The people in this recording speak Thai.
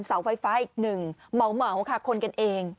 เสาไฟฟ้าอีกหนึ่งเหมาค่ะคนกันเอง